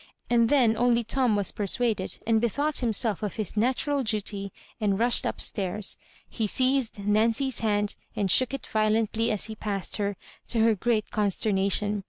And then only Tom was persuaded, and bethought himself of hia natural duty, and rushed up stairs. He seized Nancy's hand, and shook it violently as he passed her, to her great consternation.